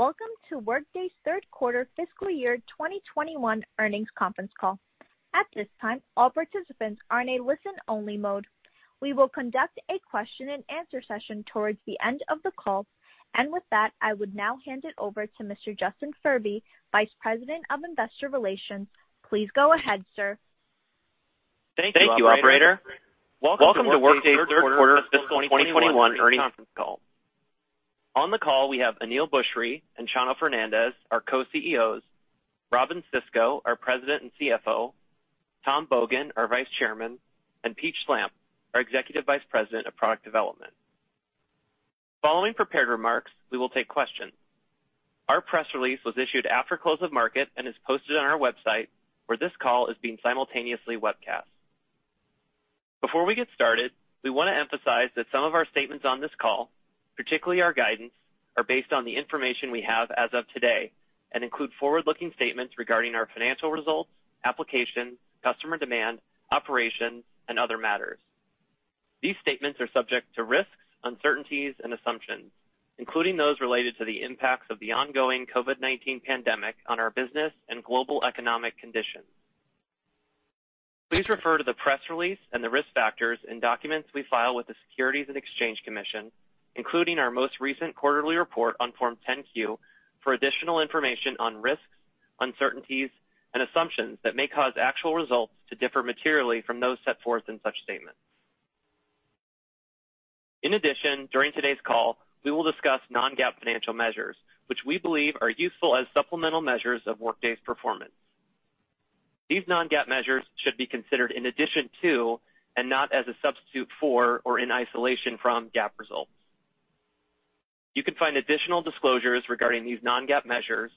Welcome to Workday's third quarter fiscal year 2021 earnings conference call. At this time, all participants are in a listen-only mode. We will conduct a question and answer session towards the end of the call. With that, I would now hand it over to Mr. Justin Furby, Vice President of Investor Relations. Please go ahead, sir. Thank you, operator. Welcome to Workday's third quarter fiscal 2021 earnings conference call. On the call, we have Aneel Bhusri and Chano Fernandez, our Co-CEOs, Robynne Sisco, our President and CFO, Tom Bogan, our Vice Chairman, and Pete Schlampp, our Executive Vice President of Product Development. Following prepared remarks, we will take questions. Our press release was issued after close of market and is posted on our website, where this call is being simultaneously webcast. Before we get started, we want to emphasize that some of our statements on this call, particularly our guidance, are based on the information we have as of today and include forward-looking statements regarding our financial results, applications, customer demand, operations, and other matters. These statements are subject to risks, uncertainties, and assumptions, including those related to the impacts of the ongoing COVID-19 pandemic on our business and global economic conditions. Please refer to the press release and the risk factors in documents we file with the Securities and Exchange Commission, including our most recent quarterly report on Form 10-Q, for additional information on risks, uncertainties, and assumptions that may cause actual results to differ materially from those set forth in such statements. In addition, during today's call, we will discuss non-GAAP financial measures, which we believe are useful as supplemental measures of Workday's performance. These non-GAAP measures should be considered in addition to, and not as a substitute for or in isolation from, GAAP results. You can find additional disclosures regarding these non-GAAP measures,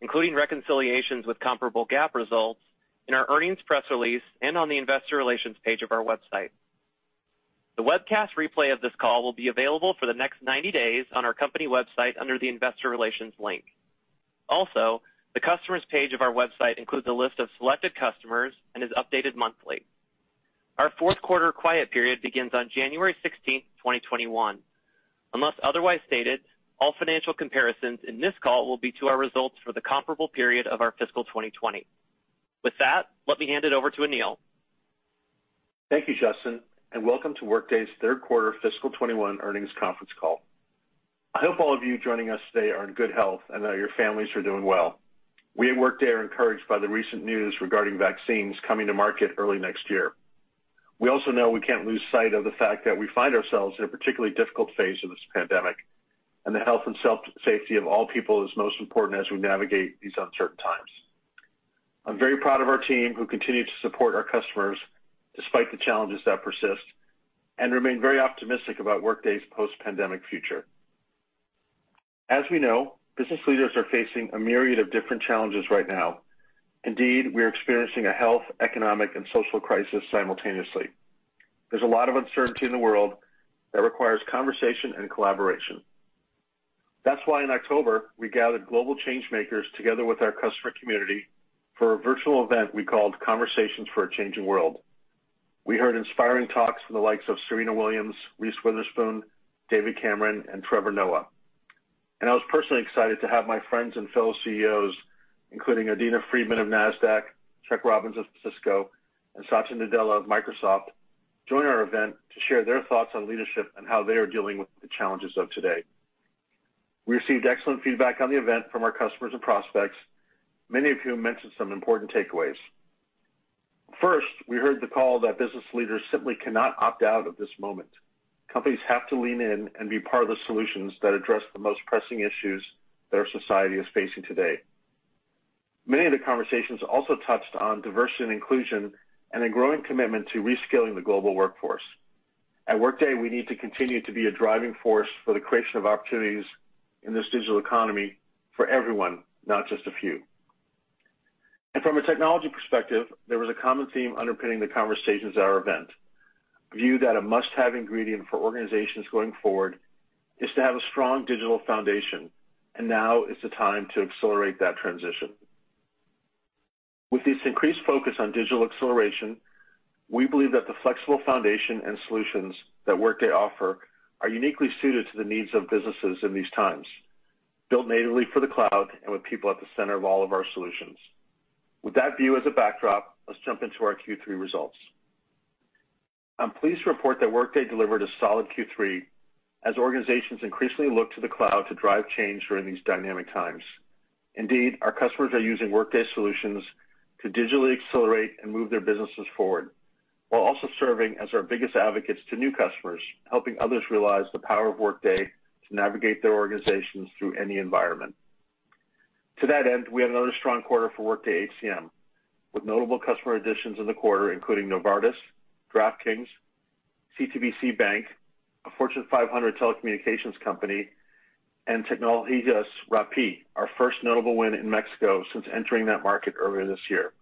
including reconciliations with comparable GAAP results, in our earnings press release and on the Investor Relations page of our website. The webcast replay of this call will be available for the next 90 days on our company website under the investor relations link. The Customers page of our website includes a list of selected customers and is updated monthly. Our fourth quarter quiet period begins on January 16th, 2021. Unless otherwise stated, all financial comparisons in this call will be to our results for the comparable period of our fiscal 2020. With that, let me hand it over to Aneel. Thank you, Justin, and welcome to Workday's third quarter fiscal 2021 earnings conference call. I hope all of you joining us today are in good health and that your families are doing well. We at Workday are encouraged by the recent news regarding vaccines coming to market early next year. We also know we can't lose sight of the fact that we find ourselves in a particularly difficult phase of this pandemic, and the health and safety of all people is most important as we navigate these uncertain times. I'm very proud of our team, who continue to support our customers despite the challenges that persist, and remain very optimistic about Workday's post-pandemic future. As we know, business leaders are facing a myriad of different challenges right now. Indeed, we are experiencing a health, economic, and social crisis simultaneously. There's a lot of uncertainty in the world that requires conversation and collaboration. That's why in October, we gathered global change makers together with our customer community for a virtual event we called Conversations for a Changing World. We heard inspiring talks from the likes of Serena Williams, Reese Witherspoon, David Cameron, and Trevor Noah. I was personally excited to have my friends and fellow CEOs, including Adena Friedman of Nasdaq, Chuck Robbins of Cisco, and Satya Nadella of Microsoft, join our event to share their thoughts on leadership and how they are dealing with the challenges of today. We received excellent feedback on the event from our customers and prospects, many of whom mentioned some important takeaways. First, we heard the call that business leaders simply cannot opt out of this moment. Companies have to lean in and be part of the solutions that address the most pressing issues that our society is facing today. Many of the conversations also touched on diversity and inclusion and a growing commitment to reskilling the global workforce. At Workday, we need to continue to be a driving force for the creation of opportunities in this digital economy for everyone, not just a few. From a technology perspective, there was a common theme underpinning the conversations at our event, a view that a must-have ingredient for organizations going forward is to have a strong digital foundation, and now is the time to accelerate that transition. With this increased focus on digital acceleration, we believe that the flexible foundation and solutions that Workday offer are uniquely suited to the needs of businesses in these times, built natively for the cloud and with people at the center of all of our solutions. With that view as a backdrop, let's jump into our Q3 results. I'm pleased to report that Workday delivered a solid Q3 as organizations increasingly look to the cloud to drive change during these dynamic times. Indeed, our customers are using Workday solutions to digitally accelerate and move their businesses forward, while also serving as our biggest advocates to new customers, helping others realize the power of Workday to navigate their organizations through any environment. To that end, we had another strong quarter for Workday HCM, with notable customer additions in the quarter, including Novartis, DraftKings, CTBC Bank, a Fortune 500 telecommunications company, and Tecnologías Rappi, our first notable win in Mexico since entering that market earlier this year.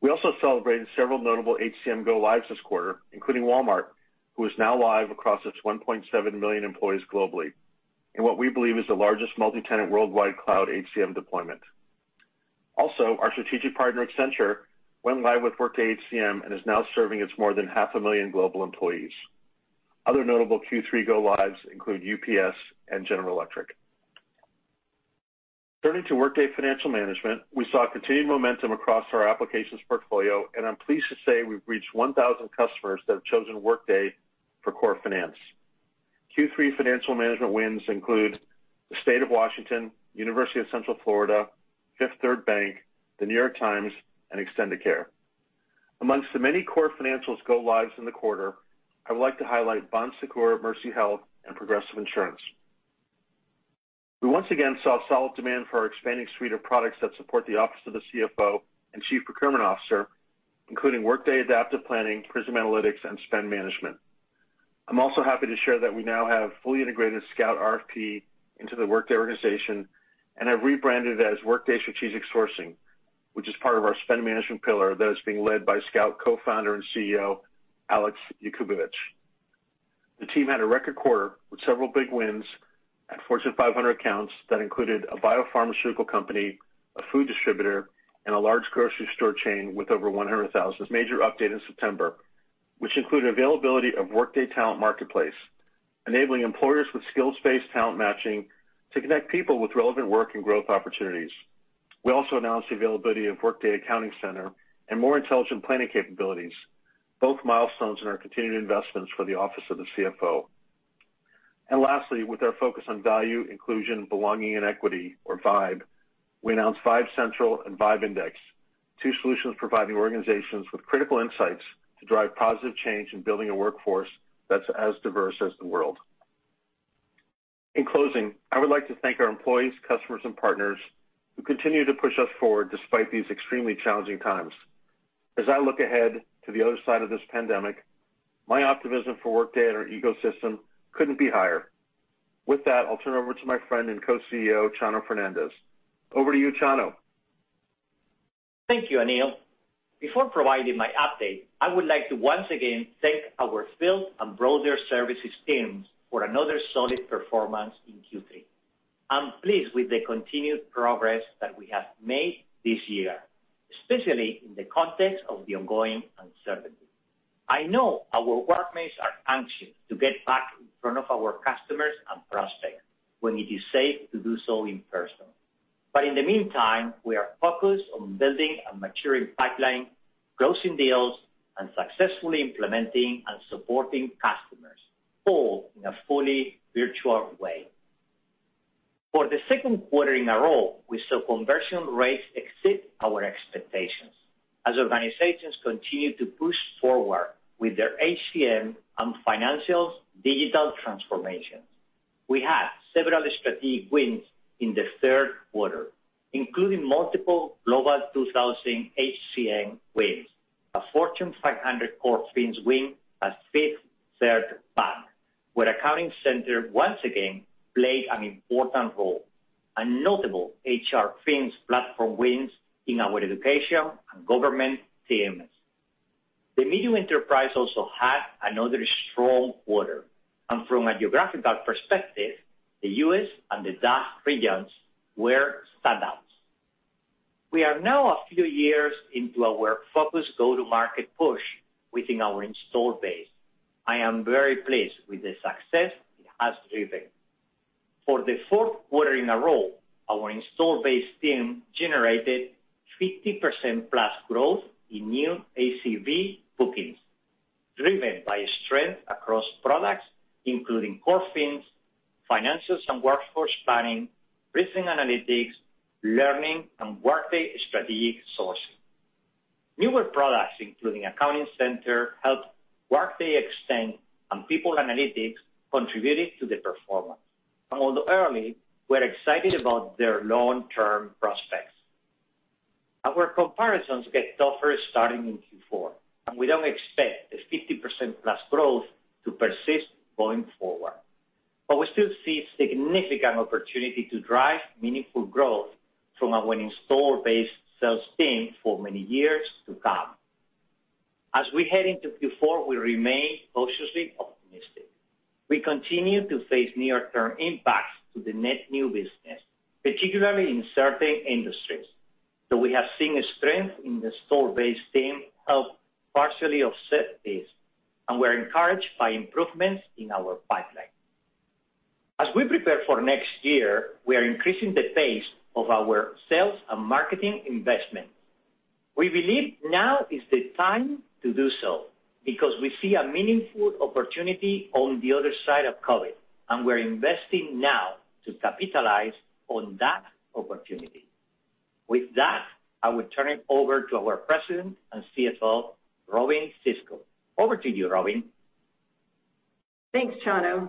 We also celebrated several notable HCM go lives this quarter, including Walmart, who is now live across its 1.7 million employees globally in what we believe is the largest multi-tenant worldwide cloud HCM deployment. Our strategic partner, Accenture, went live with Workday HCM and is now serving its more than half a million global employees. Other notable Q3 go lives include UPS and General Electric. Turning to Workday Financial Management, we saw continued momentum across our applications portfolio, and I'm pleased to say we've reached 1,000 customers that have chosen Workday for core finance. Q3 financial management wins include the State of Washington, University of Central Florida, Fifth Third Bank, The New York Times, and Extendicare. Amongst the many core financials go lives in the quarter, I would like to highlight Bon Secours Mercy Health and Progressive Insurance. We once again saw solid demand for our expanding suite of products that support the office of the CFO and chief procurement officer, including Workday Adaptive Planning, Prism Analytics, and Spend Management. I'm also happy to share that we now have fully integrated Scout RFP into the Workday organization and have rebranded as Workday Strategic Sourcing, which is part of our Spend Management pillar that is being led by Scout Co-Founder and CEO Alex Yakubovich. The team had a record quarter with several big wins at Fortune 500 accounts that included a biopharmaceutical company, a food distributor, and a large grocery store chain with over 100,000. A major update in September, which included availability of Workday Talent Marketplace, enabling employers with skills-based talent matching to connect people with relevant work and growth opportunities. We also announced the availability of Workday Accounting Center and more intelligent planning capabilities, both milestones in our continued investments for the office of the CFO. Lastly, with our focus on value, inclusion, belonging, and equity or VIBE, we announced VIBE Central and VIBE Index, two solutions providing organizations with critical insights to drive positive change in building a workforce that's as diverse as the world. In closing, I would like to thank our employees, customers, and partners who continue to push us forward despite these extremely challenging times. As I look ahead to the other side of this pandemic, my optimism for Workday and our ecosystem couldn't be higher. With that, I'll turn over to my friend and Co-CEO, Chano Fernandez. Over to you, Chano. Thank you, Aneel. Before providing my update, I would like to once again thank our field and broader services teams for another solid performance in Q3. I'm pleased with the continued progress that we have made this year, especially in the context of the ongoing uncertainty. I know our workmates are anxious to get back in front of our customers and prospects when it is safe to do so in person. In the meantime, we are focused on building a maturing pipeline, closing deals, and successfully implementing and supporting customers, all in a fully virtual way. For the second quarter in a row, we saw conversion rates exceed our expectations as organizations continue to push forward with their HCM and financials digital transformations. We had several strategic wins in the third quarter, including multiple Global 2000 HCM wins, a Fortune 500 core fins win at Fifth Third Bank, where Accounting Center once again played an important role, and notable HR fins platform wins in our education and government CMS. The medium enterprise also had another strong quarter. From a geographical perspective, the U.S. and the DACH regions were standouts. We are now a few years into our focused go-to-market push within our installed base. I am very pleased with the success it has driven. For the fourth quarter in a row, our installed base team generated 50% plus growth in new ACV bookings, driven by strength across products including core fins, financials and workforce planning, Prism Analytics, learning, and Workday Strategic Sourcing. Newer products, including Accounting Center, helped Workday Extend and People Analytics contributed to the performance. Although early, we're excited about their long-term prospects. Our comparisons get tougher starting in Q4, and we don't expect the 50%+ growth to persist going forward. We still see significant opportunity to drive meaningful growth from our winning install-based sales team for many years to come. As we head into Q4, we remain cautiously optimistic. We continue to face near-term impacts to the net new business, particularly in certain industries. We have seen strength in the install-based team help partially offset this, and we're encouraged by improvements in our pipeline. As we prepare for next year, we are increasing the pace of our sales and marketing investment. We believe now is the time to do so because we see a meaningful opportunity on the other side of COVID, and we're investing now to capitalize on that opportunity. With that, I will turn it over to our President and CFO, Robynne Sisco. Over to you, Robynne. Thanks, Chano.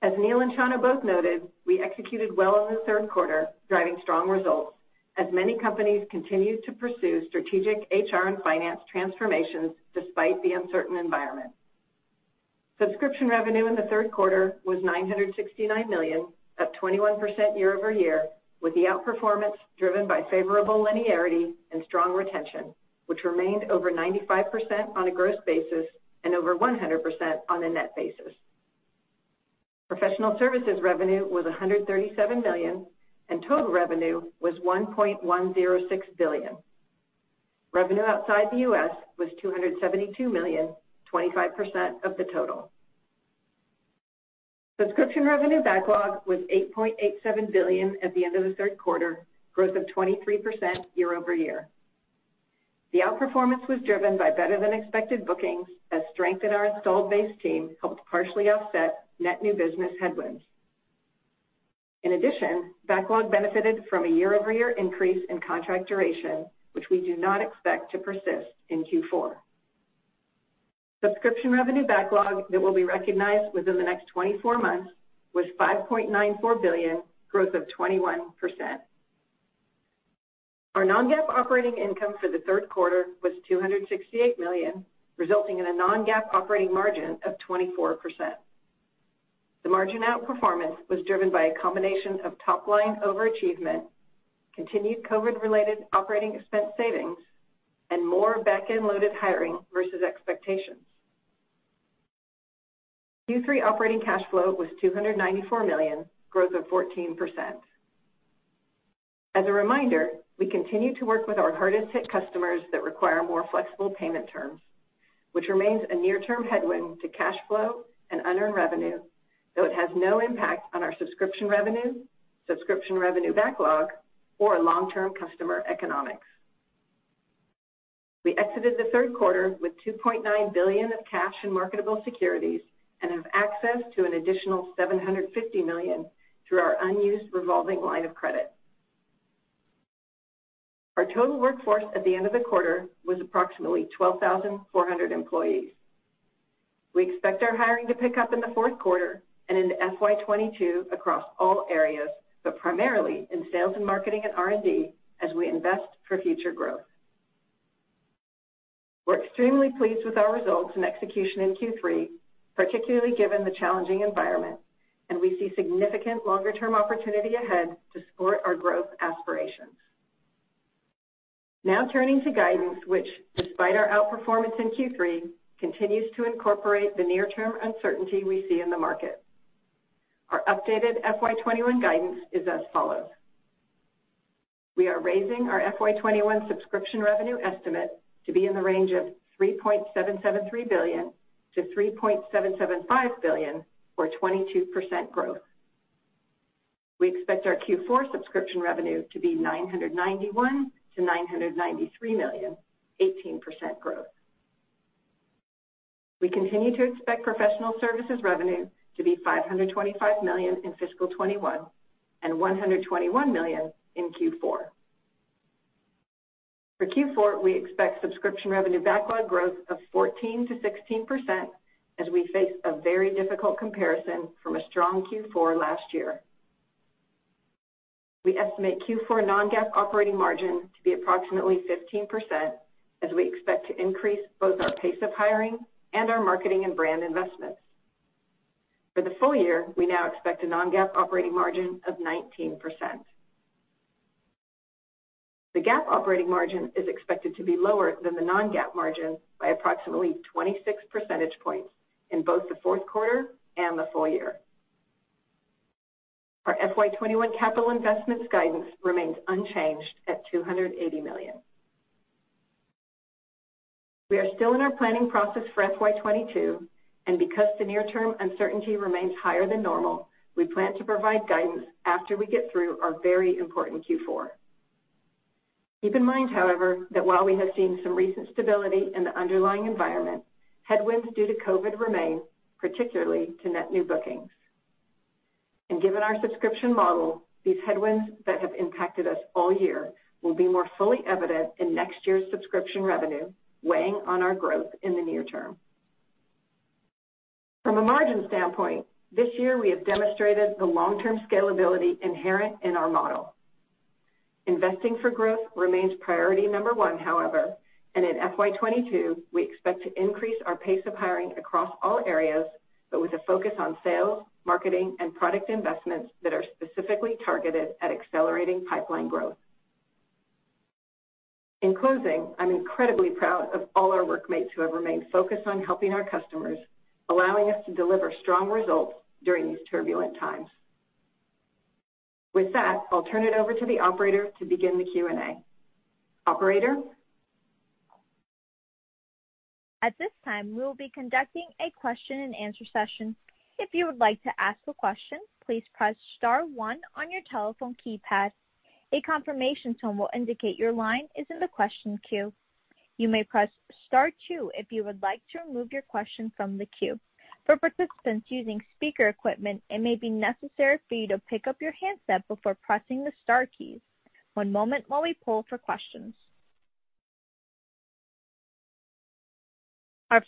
As Aneel and Chano both noted, we executed well in the third quarter, driving strong results as many companies continued to pursue strategic HR and finance transformations despite the uncertain environment. Subscription revenue in the third quarter was $969 million, up 21% year-over-year, with the outperformance driven by favorable linearity and strong retention, which remained over 95% on a gross basis and over 100% on a net basis. Professional services revenue was $137 million, and total revenue was $1.106 billion. Revenue outside the U.S. was $272 million, 25% of the total. Subscription revenue backlog was $8.87 billion at the end of the third quarter, growth of 23% year-over-year. The outperformance was driven by better than expected bookings as strength in our install-based team helped partially offset net new business headwinds. In addition, backlog benefited from a year-over-year increase in contract duration, which we do not expect to persist in Q4. Subscription revenue backlog that will be recognized within the next 24 months was $5.94 billion, growth of 21%. Our non-GAAP operating income for the third quarter was $268 million, resulting in a non-GAAP operating margin of 24%. The margin outperformance was driven by a combination of top-line over-achievement, continued COVID-related operating expense savings, and more back-end-loaded hiring versus expectations. Q3 operating cash flow was $294 million, growth of 14%. As a reminder, we continue to work with our hardest hit customers that require more flexible payment terms, which remains a near-term headwind to cash flow and unearned revenue, though it has no impact on our subscription revenue, subscription revenue backlog, or long-term customer economics. We exited the third quarter with $2.9 billion of cash and marketable securities and have access to an additional $750 million through our unused revolving line of credit. Our total workforce at the end of the quarter was approximately 12,400 employees. We expect our hiring to pick up in the fourth quarter and into FY 2022 across all areas, but primarily in sales and marketing and R&D as we invest for future growth. We're extremely pleased with our results and execution in Q3, particularly given the challenging environment, and we see significant longer-term opportunity ahead to support our growth aspirations. Now turning to guidance, which despite our outperformance in Q3, continues to incorporate the near-term uncertainty we see in the market. Our updated FY 2021 guidance is as follows. We are raising our FY 2021 subscription revenue estimate to be in the range of $3.773 billion-$3.775 billion, or 22% growth. We expect our Q4 subscription revenue to be $991 million-$993 million, 18% growth. We continue to expect professional services revenue to be $525 million in fiscal 2021 and $121 million in Q4. For Q4, we expect subscription revenue backlog growth of 14%-16% as we face a very difficult comparison from a strong Q4 last year. We estimate Q4 non-GAAP operating margin to be approximately 15% as we expect to increase both our pace of hiring and our marketing and brand investments. For the full-year, we now expect a non-GAAP operating margin of 19%. The GAAP operating margin is expected to be lower than the non-GAAP margin by approximately 26 percentage points in both the fourth quarter and the full-year. Our FY 2021 capital investments guidance remains unchanged at $280 million. We are still in our planning process for FY 2022, because the near-term uncertainty remains higher than normal, we plan to provide guidance after we get through our very important Q4. Keep in mind, however, that while we have seen some recent stability in the underlying environment, headwinds due to COVID remain, particularly to net new bookings. Given our subscription model, these headwinds that have impacted us all year will be more fully evident in next year's subscription revenue, weighing on our growth in the near-term. From a margin standpoint, this year we have demonstrated the long-term scalability inherent in our model. Investing for growth remains priority number one, however, in FY 2022, we expect to increase our pace of hiring across all areas, but with a focus on sales, marketing, and product investments that are specifically targeted at accelerating pipeline growth. In closing, I'm incredibly proud of all our workmates who have remained focused on helping our customers, allowing us to deliver strong results during these turbulent times. With that, I'll turn it over to the operator to begin the Q&A. Operator? Our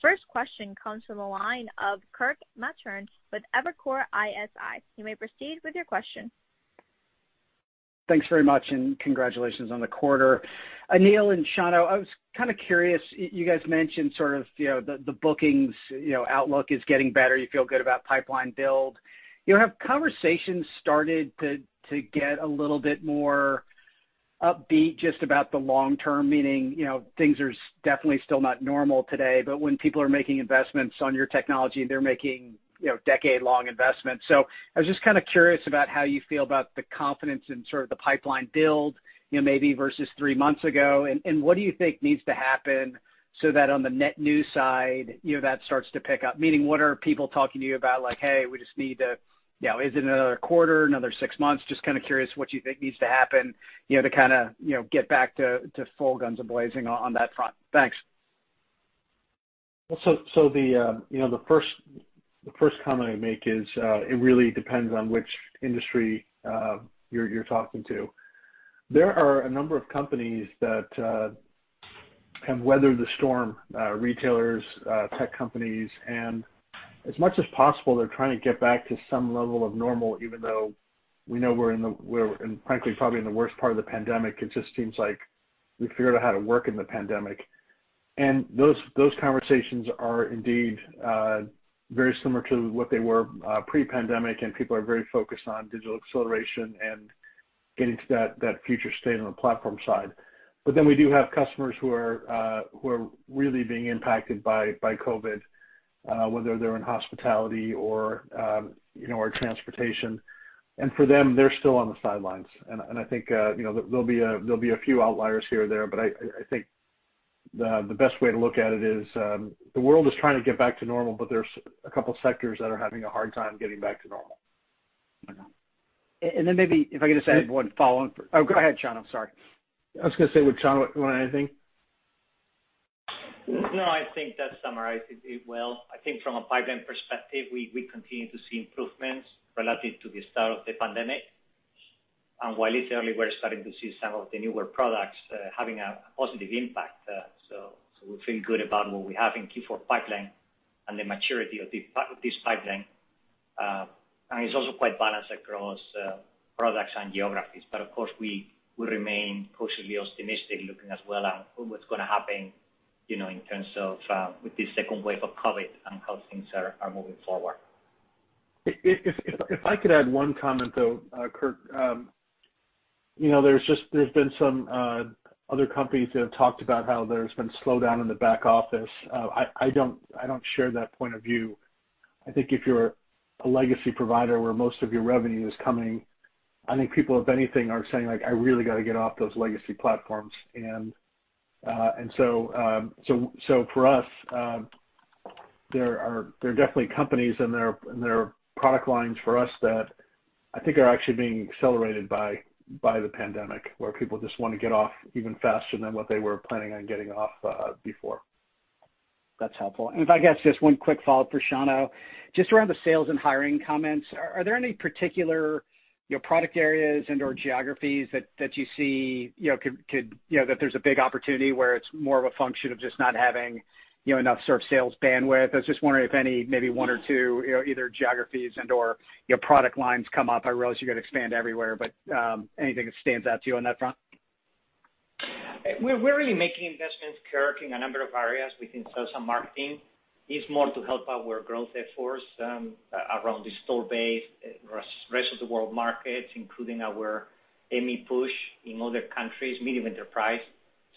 first question comes from the line of Kirk Materne with Evercore ISI. You may proceed with your question. Thanks very much, and congratulations on the quarter. Aneel and Chano, I was kind of curious, you guys mentioned sort of the bookings outlook is getting better. You feel good about pipeline build. Have conversations started to get a little bit more upbeat just about the long term, meaning, things are definitely still not normal today, but when people are making investments on your technology, they're making decade-long investments. I was just curious about how you feel about the confidence in sort of the pipeline build, maybe versus three months ago. What do you think needs to happen so that on the net new side, that starts to pick up? Meaning, what are people talking to you about, like, "Hey, we just need to" Is it another quarter, another six months? Just curious what you think needs to happen to get back to full guns a-blazing on that front. Thanks. The first comment I make is, it really depends on which industry you're talking to. There are a number of companies that have weathered the storm, retailers, tech companies, and as much as possible, they're trying to get back to some level of normal, even though we know we're in, frankly, probably in the worst part of the pandemic. It just seems like we figured out how to work in the pandemic. Those conversations are indeed very similar to what they were pre-pandemic, and people are very focused on digital acceleration and getting to that future state on the platform side. We do have customers who are really being impacted by COVID, whether they're in hospitality or transportation. For them, they're still on the sidelines. I think there'll be a few outliers here or there, but I think the best way to look at it is, the world is trying to get back to normal, but there's a couple sectors that are having a hard time getting back to normal. Maybe if I could just add one follow-on. Oh, go ahead, Chano. Sorry. I was going to say, would Chano add anything? No, I think that summarized it well. I think from a pipeline perspective, we continue to see improvements relative to the start of the pandemic. While it's early, we're starting to see some of the newer products having a positive impact. We feel good about what we have in Q4 pipeline and the maturity of this pipeline. It's also quite balanced across products and geographies. Of course, we remain cautiously optimistic looking as well on what's going to happen in terms of with this second wave of COVID and how things are moving forward. If I could add one comment, though, Kirk. There's been some other companies that have talked about how there's been a slowdown in the back office. I don't share that point of view. I think if you're a legacy provider where most of your revenue is coming, I think people, if anything, are saying, like, "I really got to get off those legacy platforms." For us, there are definitely companies, and there are product lines for us that I think are actually being accelerated by the pandemic, where people just want to get off even faster than what they were planning on getting off before. That's helpful. If I could ask just one quick follow-up for Chano. Just around the sales and hiring comments, are there any particular product areas and/or geographies that you see that there's a big opportunity where it's more of a function of just not having enough sort of sales bandwidth? I was just wondering if any, maybe one or two, either geographies and/or product lines come up. I realize you could expand everywhere, but anything that stands out to you on that front? We're really making investments, Kirk, in a number of areas within sales and marketing. It's more to help our growth efforts around the install base, rest of the world markets, including our ME push in other countries, medium enterprise.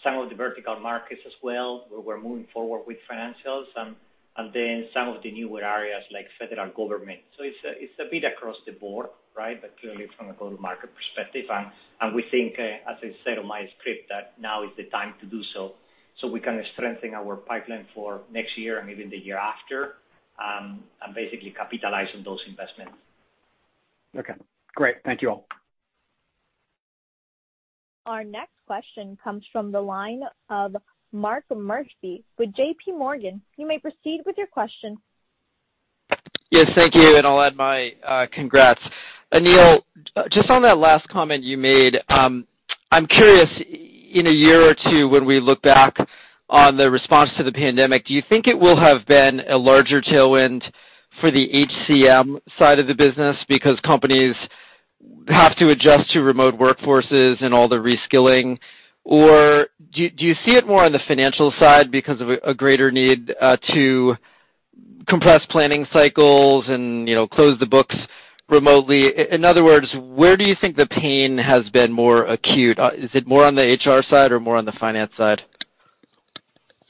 Some of the vertical markets as well, where we're moving forward with financials, some of the newer areas like federal government. It's a bit across the board, right? Clearly from a global market perspective. We think, as I said on my script, that now is the time to do so we can strengthen our pipeline for next year and even the year after, and basically capitalize on those investments. Okay, great. Thank you all. Our next question comes from the line of Mark Murphy with JPMorgan. You may proceed with your question. Yes, thank you. I'll add my congrats. Aneel, just on that last comment you made, I'm curious, in a year or two when we look back on the response to the pandemic, do you think it will have been a larger tailwind for the HCM side of the business because companies have to adjust to remote workforces and all the reskilling? Do you see it more on the financial side because of a greater need to compress planning cycles and close the books remotely? In other words, where do you think the pain has been more acute? Is it more on the HR side or more on the finance side?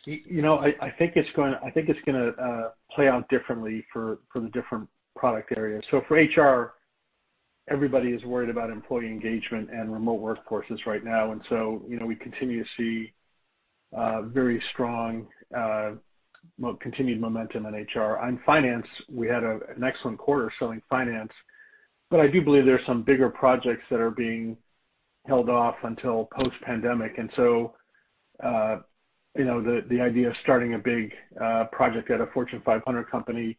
I think it's going to play out differently for the different product areas. For HR, everybody is worried about employee engagement and remote workforces right now. We continue to see very strong continued momentum in HR. On finance, we had an excellent quarter selling finance, but I do believe there are some bigger projects that are being held off until post-pandemic. The idea of starting a big project at a Fortune 500 company,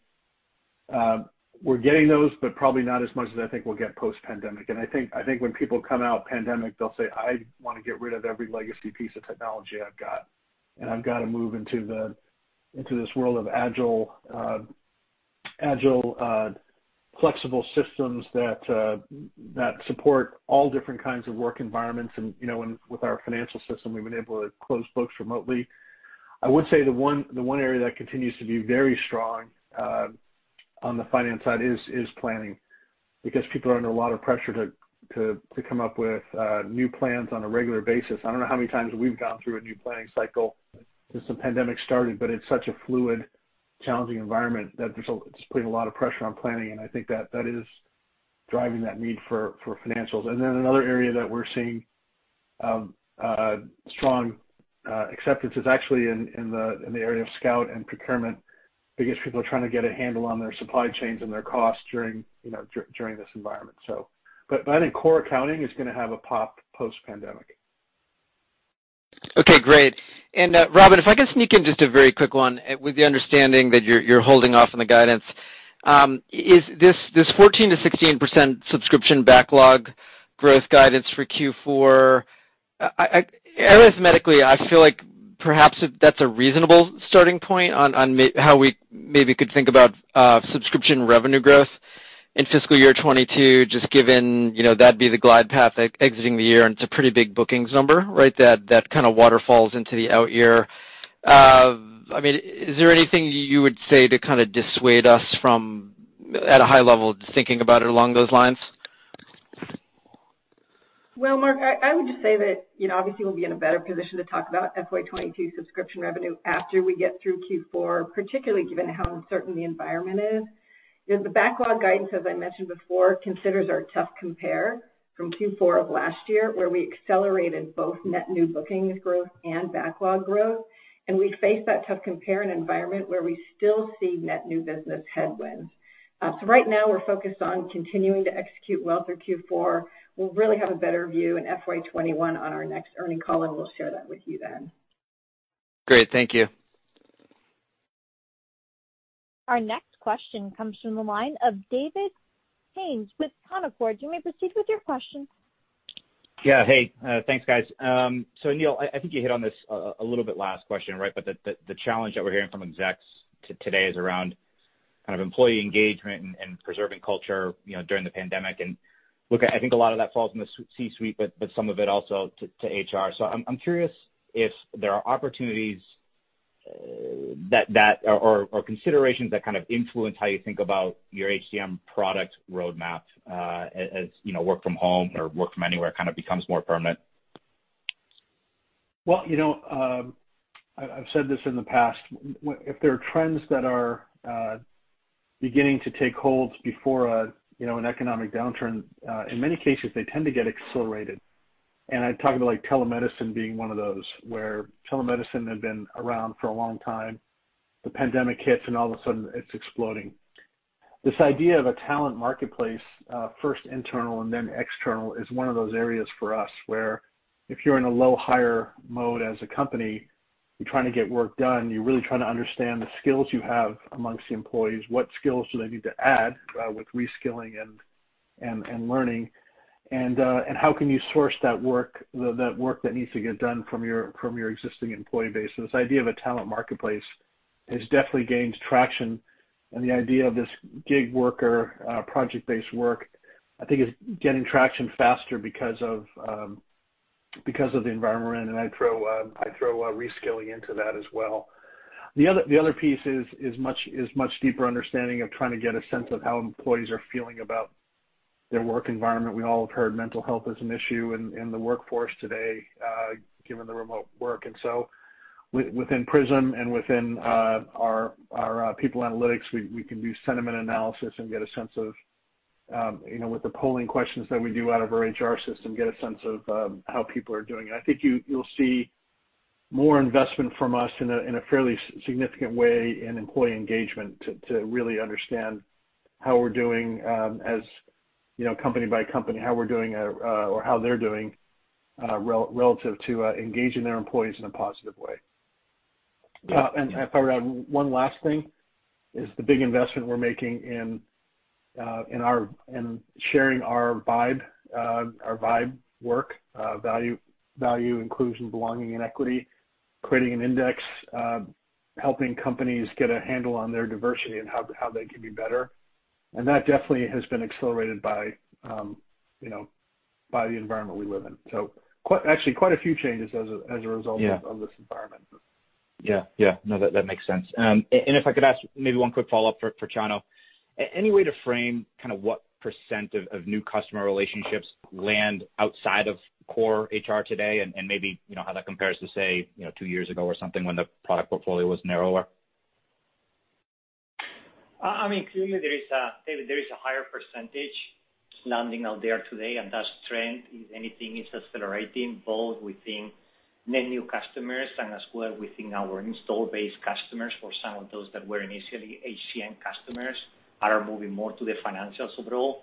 we're getting those, but probably not as much as I think we'll get post-pandemic. I think when people come out pandemic, they'll say, "I want to get rid of every legacy piece of technology I've got, and I've got to move into this world of agile, flexible systems that support all different kinds of work environments." With our financial system, we've been able to close books remotely. I would say the one area that continues to be very strong on the finance side is planning, because people are under a lot of pressure to come up with new plans on a regular basis. I don't know how many times we've gone through a new planning cycle since the pandemic started, but it's such a fluid, challenging environment that it's putting a lot of pressure on planning, and I think that is driving that need for financials. Another area that we're seeing strong acceptance is actually in the area of scout and procurement, because people are trying to get a handle on their supply chains and their costs during this environment. I think core accounting is going to have a pop post-pandemic. Okay, great. Robynne, if I can sneak in just a very quick one, with the understanding that you're holding off on the guidance. This 14%-16% subscription backlog growth guidance for Q4, arithmetically, I feel like perhaps that's a reasonable starting point on how we maybe could think about subscription revenue growth in fiscal year 2022, just given that'd be the glide path exiting the year, and it's a pretty big bookings number, right? That kind of waterfalls into the out year. Is there anything you would say to kind of dissuade us from, at a high level, just thinking about it along those lines? Well, Mark, I would just say that, obviously, we'll be in a better position to talk about FY 2022 subscription revenue after we get through Q4, particularly given how uncertain the environment is. The backlog guidance, as I mentioned before, considers our tough compare from Q4 of last year, where we accelerated both net new bookings growth and backlog growth. We face that tough compare in an environment where we still see net new business headwinds. Right now, we're focused on continuing to execute well through Q4. We'll really have a better view in FY 2021 on our next earning call, and we'll share that with you then. Great. Thank you. Our next question comes from the line of David Hynes with Canaccord. You may proceed with your question. Yeah. Hey, thanks, guys. Aneel, I think you hit on this a little bit last question, but the challenge that we're hearing from execs today is around employee engagement and preserving culture during the pandemic. Look, I think a lot of that falls in the C-suite, but some of it also to HR. I'm curious if there are opportunities or considerations that kind of influence how you think about your HCM product roadmap, as work from home or work from anywhere kind of becomes more permanent. Well, I've said this in the past. If there are trends that are beginning to take hold before an economic downturn, in many cases, they tend to get accelerated. I'm talking about telemedicine being one of those, where telemedicine had been around for a long time. The pandemic hits, all of a sudden it's exploding. This idea of a talent marketplace, first internal and then external, is one of those areas for us where if you're in a low hire mode as a company, you're trying to get work done, you're really trying to understand the skills you have amongst the employees, what skills do they need to add with re-skilling and learning, and how can you source that work that needs to get done from your existing employee base. This idea of a talent marketplace has definitely gained traction. The idea of this gig worker, project-based work, I think is getting traction faster because of the environment we're in. I'd throw re-skilling into that as well. The other piece is much deeper understanding of trying to get a sense of how employees are feeling about their work environment. We all have heard mental health is an issue in the workforce today, given the remote work. Within Prism and within our people analytics, we can do sentiment analysis and, with the polling questions that we do out of our HR system, get a sense of how people are doing. I think you'll see more investment from us in a fairly significant way in employee engagement to really understand how we're doing as company by company, how we're doing, or how they're doing, relative to engaging their employees in a positive way. If I were to add one last thing, is the big investment we're making in sharing our VIBE work, value, inclusion, belonging, and equity. Creating an index, helping companies get a handle on their diversity and how they can be better. That definitely has been accelerated by the environment we live in. Actually, quite a few changes as a result of this environment. Yeah. No, that makes sense. If I could ask maybe one quick follow-up for Chano. Any way to frame what percent of new customer relationships land outside of core HR today and maybe how that compares to, say, two years ago or something when the product portfolio was narrower? Clearly, David, there is a higher percentage landing out there today, and that trend, if anything, is accelerating both within net new customers and as well within our install-based customers, or some of those that were initially HCM customers are moving more to the financials overall.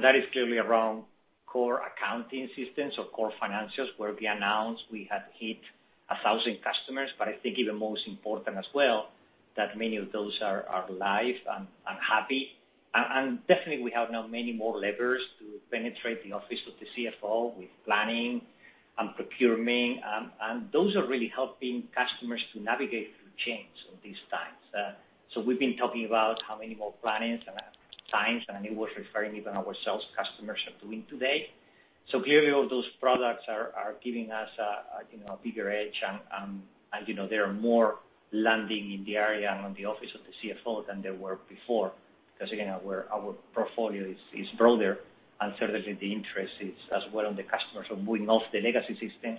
That is clearly around core accounting systems or core financials, where we announced we had hit 1,000 customers. I think even most important as well, that many of those are live and happy. Definitely, we have now many more levers to penetrate the office of the CFO with planning and procurement. Those are really helping customers to navigate through change in these times. We've been talking about how many more plannings and Workday Prism Analytics, and it was referring even our sales customers are doing today. Clearly all those products are giving us a bigger edge and they are more landing in the area and on the office of the CFO than they were before. Again, our portfolio is broader, and certainly the interest is as well on the customers of moving off the legacy systems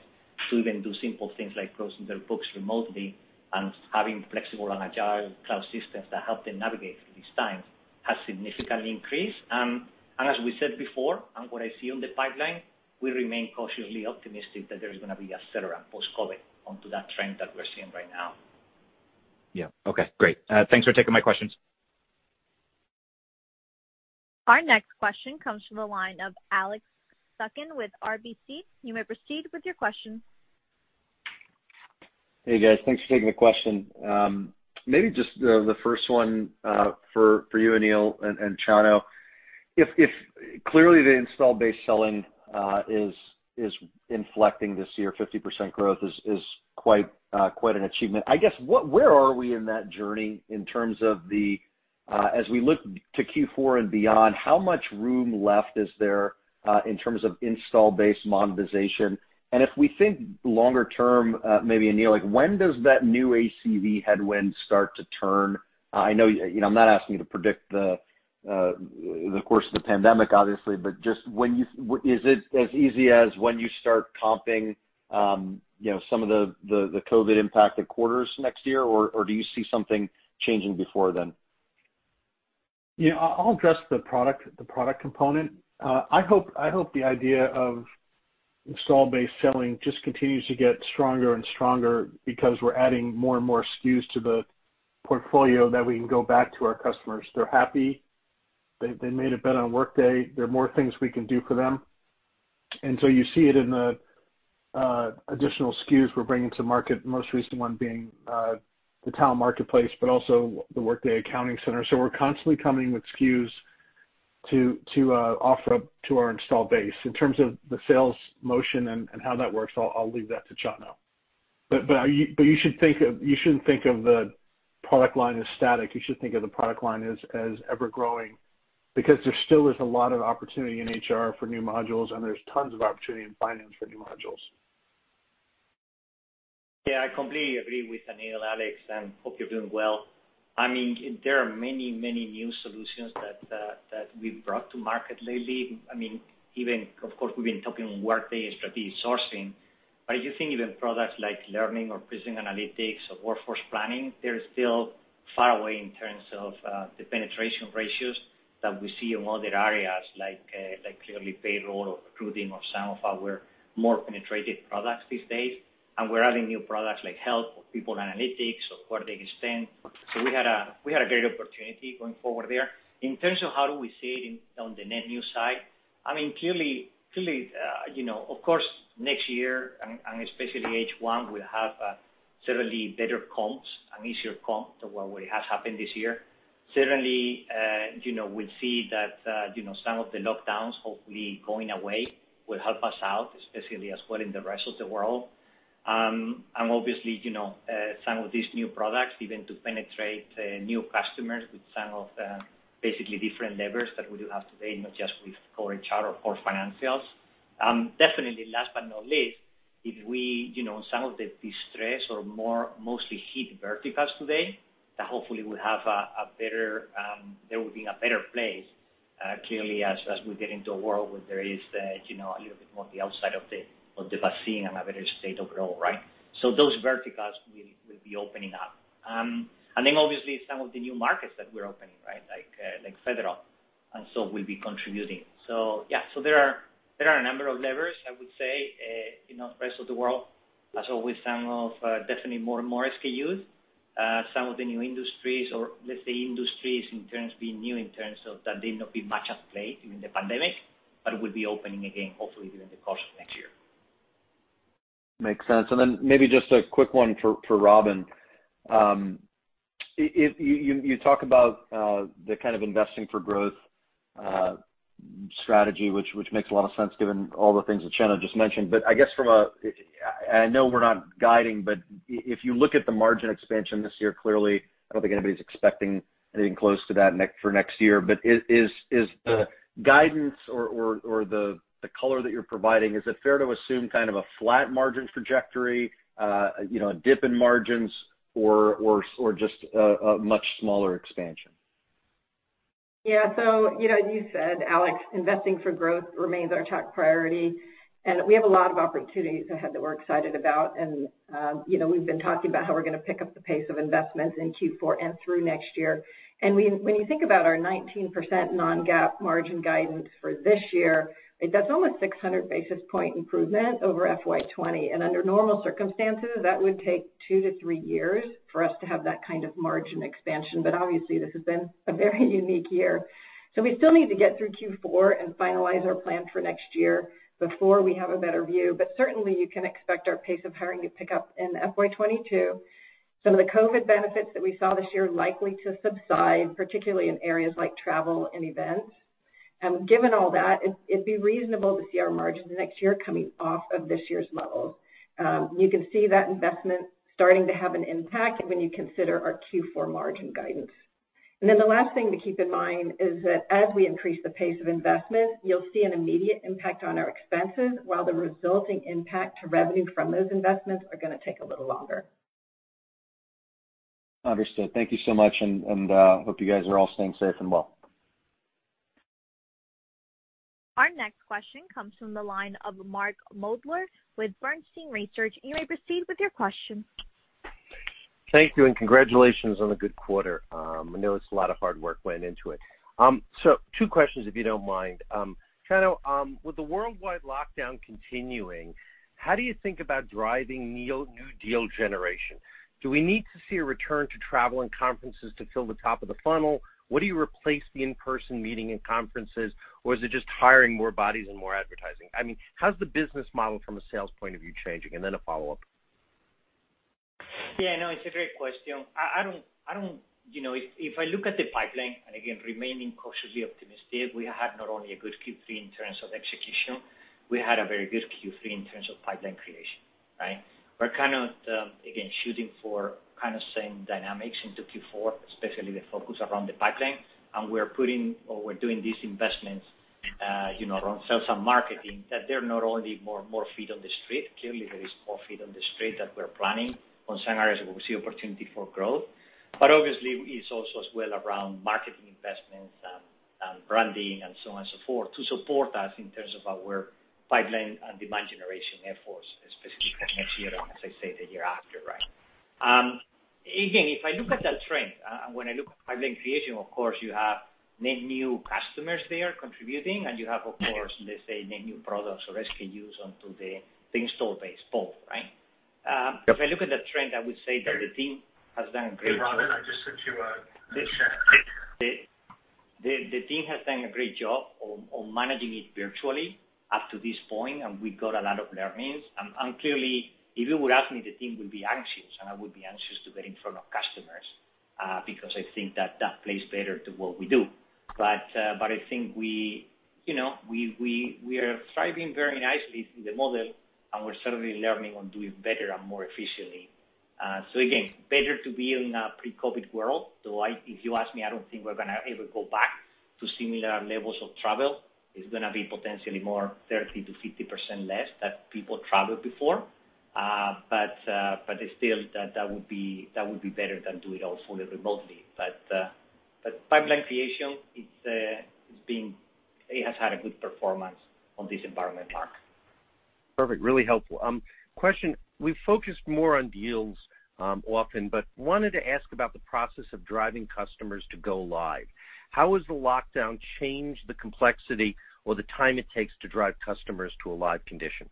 to even do simple things like closing their books remotely and having flexible and agile cloud systems that help them navigate through these times has significantly increased. As we said before, and what I see on the pipeline, we remain cautiously optimistic that there is going to be a surround post-COVID onto that trend that we're seeing right now. Yeah. Okay, great. Thanks for taking my questions. Our next question comes from the line of Alex Zukin with RBC. You may proceed with your question. Hey, guys. Thanks for taking the question. Maybe just the first one for you, Aneel and Chano. Clearly the install-based selling is inflecting this year. 50% growth is quite an achievement. I guess, where are we in that journey in terms of the, as we look to Q4 and beyond, how much room left is there, in terms of install-based monetization? If we think longer term, maybe Aneel, when does that new ACV headwind start to turn? I know I'm not asking you to predict the course of the pandemic, obviously, but just is it as easy as when you start comping some of the COVID-impacted quarters next year, or do you see something changing before then? I'll address the product component. I hope the idea of install-based selling just continues to get stronger and stronger because we're adding more and more SKUs to the portfolio that we can go back to our customers. They're happy. They made a bet on Workday. There are more things we can do for them. You see it in the additional SKUs we're bringing to market, the most recent one being the Talent Marketplace, but also the Workday Accounting Center. We're constantly coming with SKUs to offer up to our install base. In terms of the sales motion and how that works, I'll leave that to Chano. You shouldn't think of the product line as static. You should think of the product line as ever-growing, because there still is a lot of opportunity in HR for new modules, and there's tons of opportunity in finance for new modules. Yeah, I completely agree with Aneel, Alex, and hope you're doing well. There are many new solutions that we've brought to market lately. Of course, we've been talking Workday Strategic Sourcing. If you think even products like learning or Prism Analytics or workforce planning, they're still far away in terms of the penetration ratios that we see in other areas like clearly payroll or recruiting or some of our more penetrated products these days. We're adding new products like health or Workday People Analytics or Workday Spend Management. We had a great opportunity going forward there. In terms of how do we see it on the net new side, clearly, of course, next year, and especially H1, we'll have certainly better comps, an easier comp to what has happened this year. Certainly, we'll see that some of the lockdowns hopefully going away will help us out, especially as well in the rest of the world, obviously some of these new products, even to penetrate new customers with some of the basically different levers that we do have today, not just with core HR or core financials. Definitely last but not least, if we, some of the distressed or more mostly hit verticals today, that hopefully there will be a better place, clearly as we get into a world where there is a little bit more the outside of the vaccine and a better state overall, right? Those verticals will be opening up. Then obviously some of the new markets that we're opening, right, like federal, and so will be contributing. Yeah. There are a number of levers, I would say, rest of the world, as always, some of definitely more and more SKUs. Some of the new industries, or let's say industries in terms being new in terms of that did not be much at play during the pandemic, but would be opening again, hopefully during the course of next year. Makes sense. Maybe just a quick one for Robynne. You talk about the kind of investing for growth strategy, which makes a lot of sense given all the things that Chano just mentioned. I guess, I know we're not guiding, if you look at the margin expansion this year, clearly, I don't think anybody's expecting anything close to that for next year. Is the guidance or the color that you're providing, is it fair to assume kind of a flat margin trajectory, a dip in margins, or just a much smaller expansion? Yeah. You said, Alex, investing for growth remains our top priority, and we have a lot of opportunities ahead that we're excited about. We've been talking about how we're going to pick up the pace of investments in Q4 and through next year. When you think about our 19% non-GAAP margin guidance for this year, that's almost 600 basis point improvement over FY 2020. Under normal circumstances, that would take two to three years for us to have that kind of margin expansion. Obviously, this has been a very unique year. We still need to get through Q4 and finalize our plan for next year before we have a better view. Certainly, you can expect our pace of hiring to pick up in FY 2022. Some of the COVID benefits that we saw this year are likely to subside, particularly in areas like travel and events. Given all that, it'd be reasonable to see our margins next year coming off of this year's levels. You can see that investment starting to have an impact when you consider our Q4 margin guidance. The last thing to keep in mind is that as we increase the pace of investment, you'll see an immediate impact on our expenses, while the resulting impact to revenue from those investments are going to take a little longer. Understood. Thank you so much. Hope you guys are all staying safe and well. Our next question comes from the line of Mark Moerdler with Bernstein Research. You may proceed with your question. Thank you. Congratulations on a good quarter. I know it's a lot of hard work went into it. Two questions, if you don't mind. Chano, with the worldwide lockdown continuing, how do you think about driving new deal generation? Do we need to see a return to travel and conferences to fill the top of the funnel? What do you replace the in-person meeting and conferences, or is it just hiring more bodies and more advertising? How's the business model from a sales point-of-view changing? A follow-up. Yeah, no, it's a great question. If I look at the pipeline, again, remaining cautiously optimistic, we had not only a good Q3 in terms of execution, we had a very good Q3 in terms of pipeline creation, right? We're kind of, again, shooting for kind of same dynamics into Q4, especially the focus around the pipeline, we're doing these investments around sales and marketing, that they're not only more feet on the street. Clearly, there is more feet on the street that we're planning on scenarios where we see opportunity for growth. Obviously, it's also as well around marketing investments and branding and so on and so forth to support us in terms of our pipeline and demand generation efforts, specifically next year or, as I say, the year after, right? If I look at that trend, and when I look at pipeline creation, of course, you have net new customers there contributing, and you have, of course, let's say, net new products or SKUs onto the install base both, right? Yep. If I look at the trend, I would say that the team has done a great. Hey, Robert, I just sent you a. The team has done a great job on managing it virtually up to this point, and we've got a lot of learnings. Clearly, if you would ask me, the team will be anxious, and I would be anxious to get in front of customers, because I think that that plays better to what we do. I think we are thriving very nicely in the model, and we're certainly learning on doing better and more efficiently. Again, better to be in a pre-COVID world, though if you ask me, I don't think we're going to ever go back to similar levels of travel. It's going to be potentially more 30%-50% less that people traveled before. Still, that would be better than do it all fully remotely. Pipeline creation, it has had a good performance on this environment, Mark. Perfect. Really helpful. Question, we've focused more on deals often, but wanted to ask about the process of driving customers to go live. How has the lockdown changed the complexity or the time it takes to drive customers to a live condition?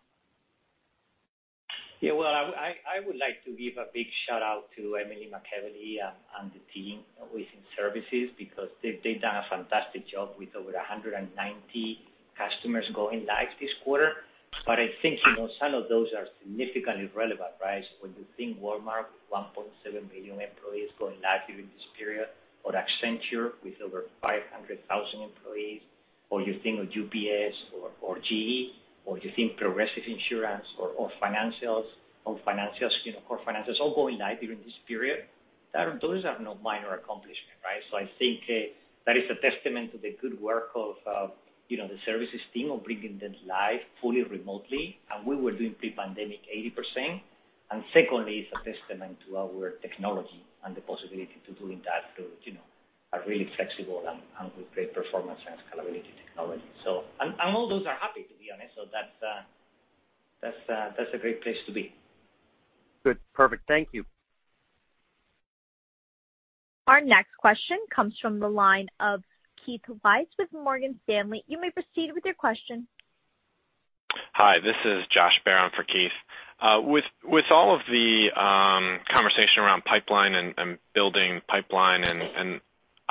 Well, I would like to give a big shout-out to Emily McEvilly and the team within services because they've done a fantastic job with over 190 customers going live this quarter. I think some of those are significantly relevant, right. When you think Walmart, 1.7 million employees going live during this period, or Accenture with over 500,000 employees, or you think of UPS or GE, or you think Progressive Insurance or financials, all going live during this period, those are no minor accomplishment, right. I think that is a testament to the good work of the services team of bringing them live fully remotely, and we were doing pre-pandemic 80%. Secondly, it's a testament to our technology and the possibility to doing that through a really flexible and with great performance and scalability technology. All those are happy, to be honest. That's a great place to be. Good. Perfect. Thank you. Our next question comes from the line of Keith Weiss with Morgan Stanley. You may proceed with your question. Hi. This is Josh Baer for Keith. With all of the conversation around pipeline and building pipeline and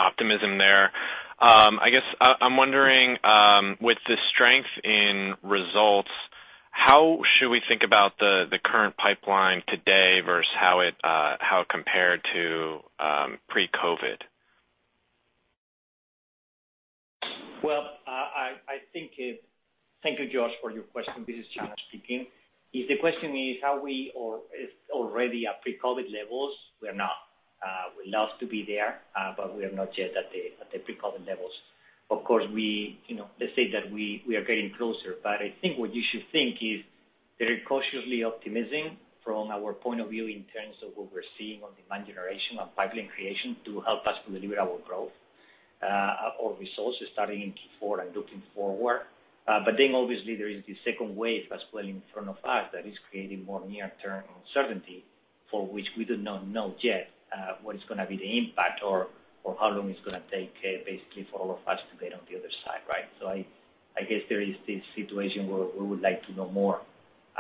optimism there, I guess I'm wondering, with the strength in results, how should we think about the current pipeline today versus how it compared to pre-COVID? Well, thank you, Josh, for your question. This is Chano speaking. If the question is are we already at pre-COVID levels, we're not. We'd love to be there, but we are not yet at the pre-COVID levels. Of course, let's say that we are getting closer. I think what you should think is very cautiously optimizing from our point-of-view in terms of what we're seeing on demand generation and pipeline creation to help us to deliver our growth or results starting in Q4 and looking forward. Obviously, there is the second wave as well in front of us that is creating more near-term uncertainty, for which we do not know yet what is going to be the impact or how long it's going to take basically for all of us to get on the other side, right? I guess there is this situation where we would like to know more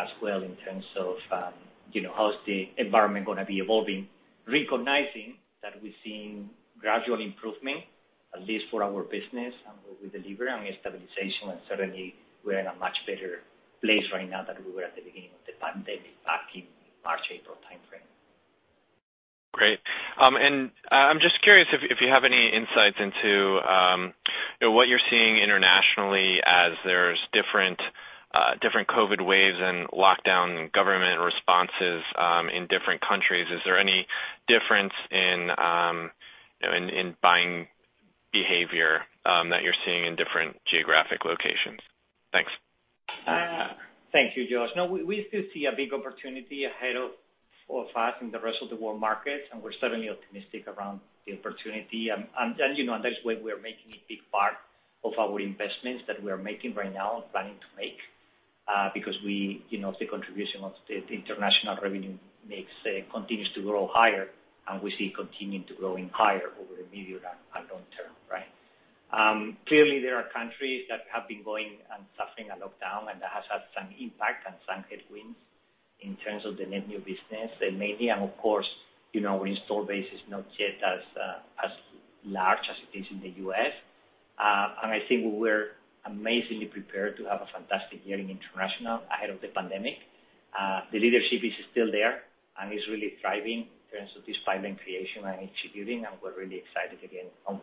as well in terms of how is the environment going to be evolving, recognizing that we're seeing gradual improvement, at least for our business and what we deliver, and we have stabilization and certainly we're in a much better place right now than we were at the beginning of the pandemic back in March, April timeframe. Great. I'm just curious if you have any insights into what you're seeing internationally as there's different COVID waves and lockdown government responses in different countries. Is there any difference in buying behavior that you're seeing in different geographic locations? Thanks. Thank you, Josh. No, we still see a big opportunity ahead of, all of us in the rest of the world markets, and we're certainly optimistic around the opportunity. That's why we're making a big part of our investments that we're making right now and planning to make, because the contribution of the international revenue continues to grow higher, and we see it continuing to growing higher over the medium and long term, right? Clearly, there are countries that have been going and suffering a lockdown, and that has had some impact and some headwinds in terms of the net new business. Maybe, and of course, our install base is not yet as large as it is in the U.S. I think we were amazingly prepared to have a fantastic year in international ahead of the pandemic. The leadership is still there and is really thriving in terms of this pipeline creation and executing, and we're really excited again as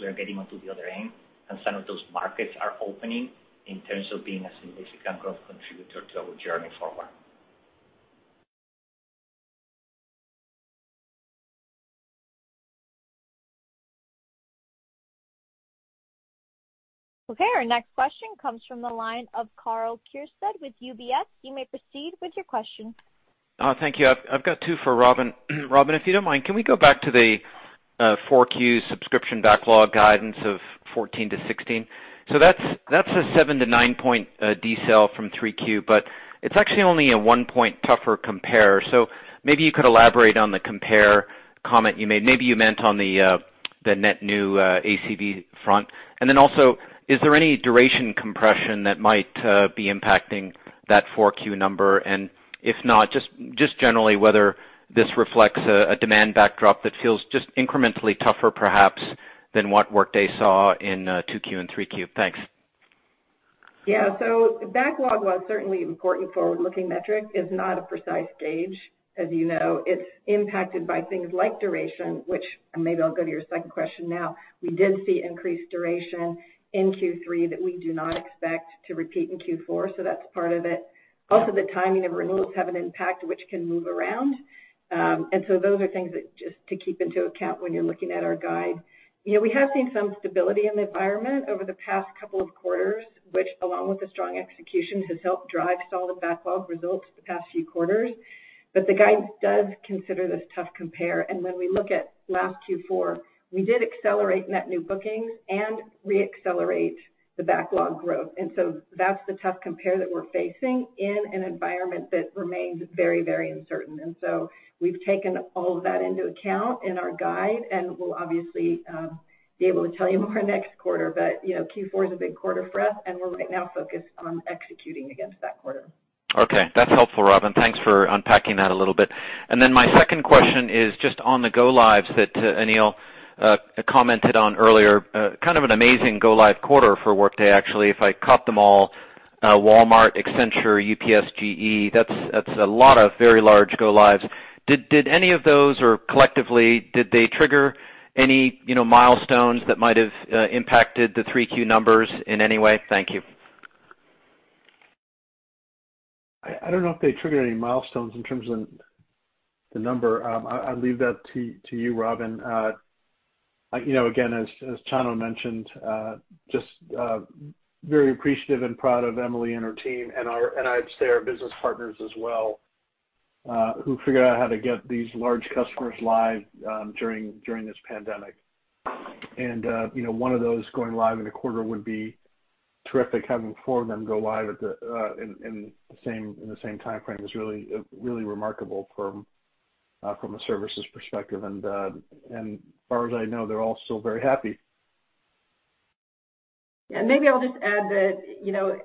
we are getting onto the other end, and some of those markets are opening in terms of being a significant growth contributor to our journey forward. Okay, our next question comes from the line of Karl Keirstead with UBS. You may proceed with your question. Thank you. I've got two for Robynne. Robynne, if you don't mind, can we go back to the 4Q subscription backlog guidance of 14%-16%? That's a 7-9 point decel from 3Q, but it's actually only a one point tougher compare. Maybe you could elaborate on the compare comment you made. Maybe you meant on the net new ACV front. Also, is there any duration compression that might be impacting that 4Q number? If not, just generally whether this reflects a demand backdrop that feels just incrementally tougher perhaps than what Workday saw in 2Q and 3Q. Thanks. Backlog while certainly important forward-looking metric, is not a precise gauge, as you know. It's impacted by things like duration, which, and maybe I'll go to your second question now, we did see increased duration in Q3 that we do not expect to repeat in Q4. That's part of it. Also, the timing of renewals have an impact which can move around. Those are things that just to keep into account when you're looking at our guide. We have seen some stability in the environment over the past couple of quarters, which along with the strong execution, has helped drive solid backlog results the past few quarters. The guide does consider this tough compare. When we look at last Q4, we did accelerate net new bookings and re-accelerate the backlog growth. That's the tough compare that we're facing in an environment that remains very, very uncertain. We've taken all of that into account in our guide, and we'll obviously be able to tell you more next quarter. Q4 is a big quarter for us, and we're right now focused on executing against that quarter. That's helpful, Robynne. Thanks for unpacking that a little bit. My second question is just on the go lives that Aneel commented on earlier. Kind of an amazing go live quarter for Workday, actually, if I cut them all, Walmart, Accenture, UPS, GE, that's a lot of very large go lives. Did any of those or collectively, did they trigger any milestones that might have impacted the 3Q numbers in any way? Thank you. I don't know if they triggered any milestones in terms of the number. I'll leave that to you, Robynne. As Chano mentioned, just very appreciative and proud of Emily and her team and I'd say our business partners as well, who figured out how to get these large customers live during this pandemic. One of those going live in a quarter would be terrific. Having four of them go live in the same timeframe is really remarkable from a services perspective. As far as I know, they're all still very happy. Maybe I'll just add that,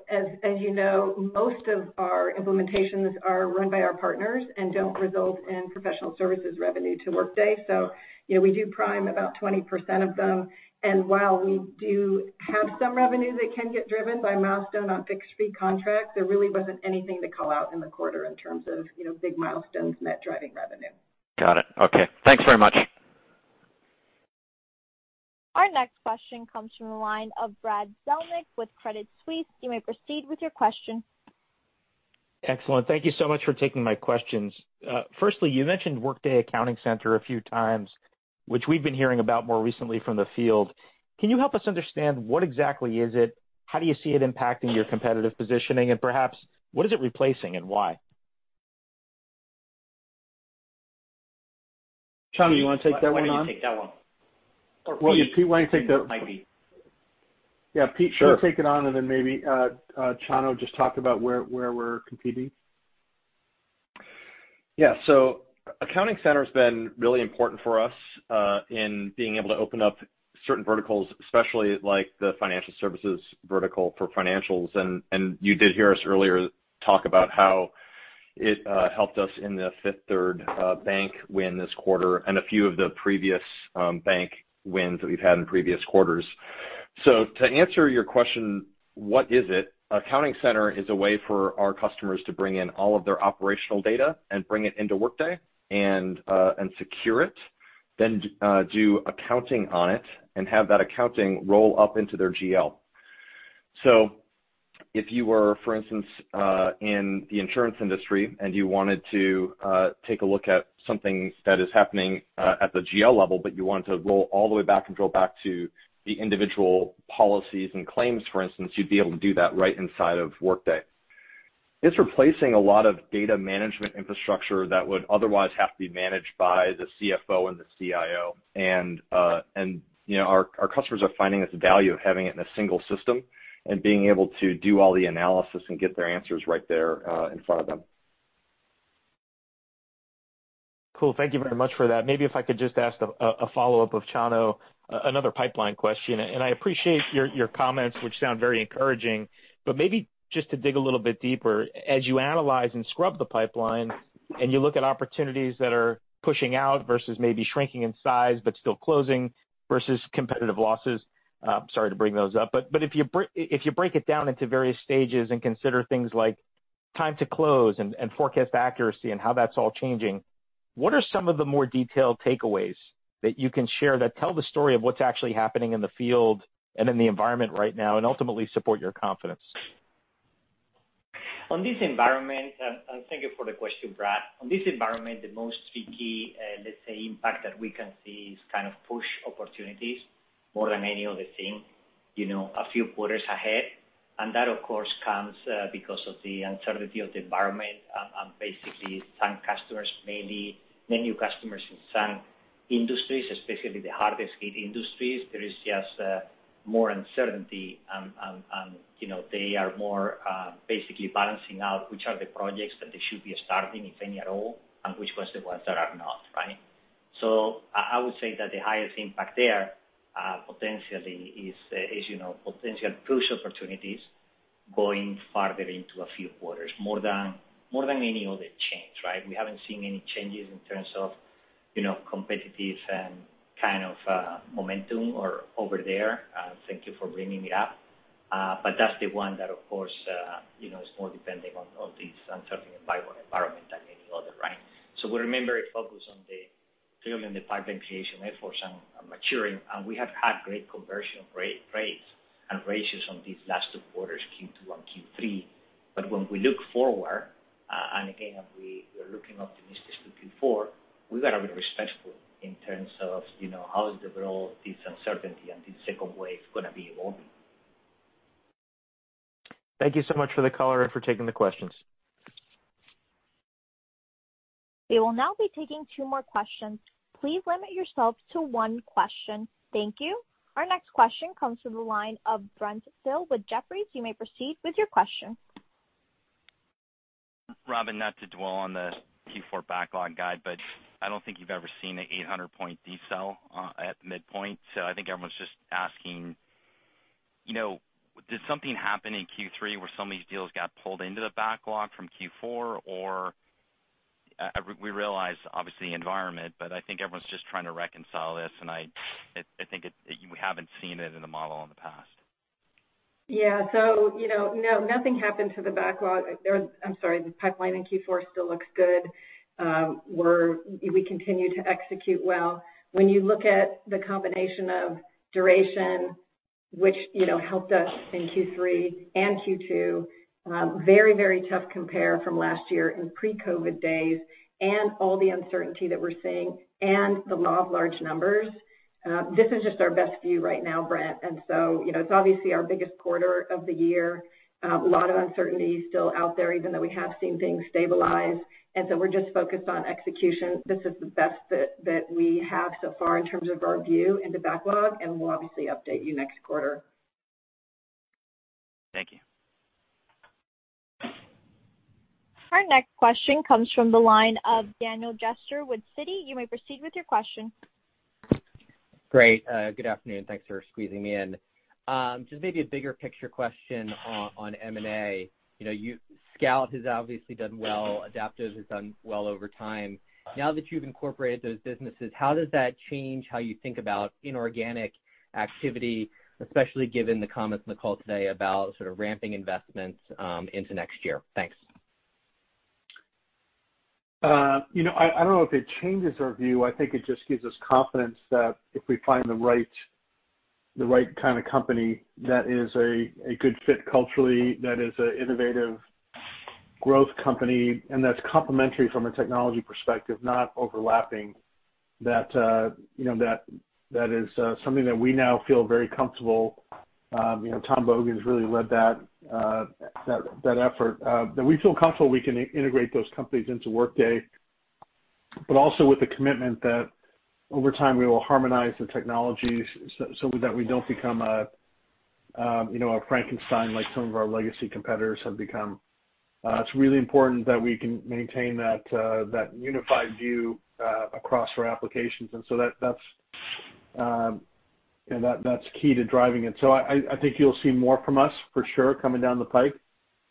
as you know, most of our implementations are run by our partners and don't result in professional services revenue to Workday. We do prime about 20% of them, and while we do have some revenue that can get driven by milestone on fixed-fee contracts, there really wasn't anything to call out in the quarter in terms of big milestones net driving revenue. Got it. Okay. Thanks very much. Our next question comes from the line of Brad Zelnick with Credit Suisse. You may proceed with your question. Excellent. Thank you so much for taking my questions. Firstly, you mentioned Workday Accounting Center a few times, which we've been hearing about more recently from the field. Can you help us understand what exactly is it? How do you see it impacting your competitive positioning? Perhaps, what is it replacing and why? Chano, you want to take that one on? Pete, why don't you take that one? Pete. Well, Pete, why don't you take. It might be. Yeah, Pete. Sure. Can take it on and maybe Chano just talk about where we're competing. Yeah. Accounting Center's been really important for us in being able to open up certain verticals, especially like the financial services vertical for financials. You did hear us earlier talk about how it helped us in the Fifth Third Bank win this quarter and a few of the previous bank wins that we've had in previous quarters. To answer your question, what is it? Accounting Center is a way for our customers to bring in all of their operational data and bring it into Workday and secure it, then do accounting on it and have that accounting roll up into their GL. If you were, for instance, in the insurance industry and you wanted to take a look at something that is happening at the GL level, but you wanted to roll all the way back, and drill back to the individual policies and claims, for instance, you'd be able to do that right inside of Workday. It's replacing a lot of data management infrastructure that would otherwise have to be managed by the CFO and the CIO. Our customers are finding it's a value of having it in a single system and being able to do all the analysis and get their answers right there in front of them. Cool. Thank you very much for that. Maybe if I could just ask a follow-up of Chano, another pipeline question. I appreciate your comments, which sound very encouraging, but maybe just to dig a little bit deeper, as you analyze and scrub the pipeline and you look at opportunities that are pushing out versus maybe shrinking in size but still closing, versus competitive losses, sorry to bring those up. If you break it down into various stages and consider things like time to close and forecast accuracy and how that's all changing, what are some of the more detailed takeaways that you can share that tell the story of what's actually happening in the field and in the environment right now, and ultimately support your confidence? On this environment, thank you for the question, Brad. On this environment, the most key, let's say, impact that we can see is kind of push opportunities more than any other thing, a few quarters ahead. That, of course, comes because of the uncertainty of the environment and basically some customers, mainly new customers in some industries, especially the hardest hit industries. There is just more uncertainty, and they are more basically balancing out which are the projects that they should be starting, if any at all, and which ones are the ones that are not, right? I would say that the highest impact there potentially is potential push opportunities going farther into a few quarters, more than any other change, right? We haven't seen any changes in terms of competitive and kind of momentum over there. Thank you for bringing it up. That's the one that, of course, is more dependent on this uncertain environment than any other, right? We remain very focused on the deal and department creation efforts and maturing. We have had great conversion rates and ratios on these last two quarters, Q2 and Q3. When we look forward, and again, we are looking optimistically to Q4, we got to be respectful in terms of how is the role of this uncertainty and this second wave going to be evolving. Thank you so much for the color and for taking the questions. We will now be taking two more questions. Please limit yourself to one question. Thank you. Our next question comes to the line of Brent Thill with Jefferies. You may proceed with your question. Robynne, not to dwell on the Q4 backlog guide, I don't think you've ever seen an 800-point decel at the midpoint. I think everyone's just asking, did something happen in Q3 where some of these deals got pulled into the backlog from Q4? We realize obviously the environment, but I think everyone's just trying to reconcile this. I think we haven't seen it in the model in the past. Yeah. Nothing happened to the backlog. I'm sorry, the pipeline in Q4 still looks good. We continue to execute well. When you look at the combination of duration, which helped us in Q3 and Q2, very tough compare from last year in pre-COVID days and all the uncertainty that we're seeing and the law of large numbers. This is just our best view right now, Brent. It's obviously our biggest quarter of the year. A lot of uncertainty still out there, even though we have seen things stabilize. We're just focused on execution. This is the best that we have so far in terms of our view into backlog, and we'll obviously update you next quarter. Thank you. Our next question comes from the line of Daniel Jester with Citi. You may proceed with your question. Great. Good afternoon. Thanks for squeezing me in. Just maybe a bigger picture question on M&A. Scout has obviously done well. Adaptive has done well over time. Now that you've incorporated those businesses, how does that change how you think about inorganic activity, especially given the comments in the call today about sort of ramping investments into next year? Thanks. I don't know if it changes our view. I think it just gives us confidence that if we find the right kind of company that is a good fit culturally, that is an innovative growth company, and that's complementary from a technology perspective, not overlapping. That is something that we now feel very comfortable. Tom Bogan's really led that effort. That we feel comfortable we can integrate those companies into Workday, but also with the commitment that over time, we will harmonize the technologies so that we don't become a Frankenstein, like some of our legacy competitors have become. It's really important that we can maintain that unified view across our applications. That's key to driving it. I think you'll see more from us for sure coming down the pike,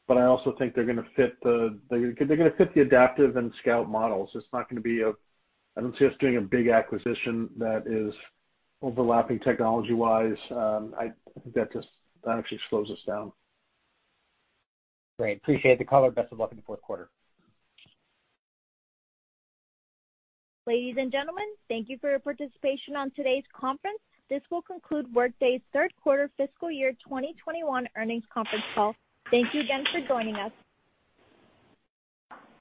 but I also think they're going to fit the Adaptive and Scout models. I don't see us doing a big acquisition that is overlapping technology-wise. That actually slows us down. Great. Appreciate the color. Best of luck in the fourth quarter. Ladies and gentlemen, thank you for your participation on today's conference. This will conclude Workday's third quarter fiscal year 2021 earnings conference call. Thank you again for joining us.